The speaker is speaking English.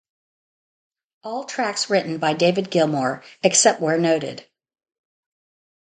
All tracks written by David Gilmour, except where noted.